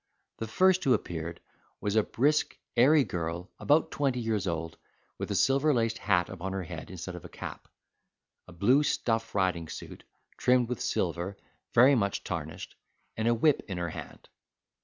The first who appeared was a brisk, airy girl, about twenty years old, with a silver laced hat on her head instead of a cap, a blue stuff riding suit, trimmed with silver very much tarnished, and a whip in her hand.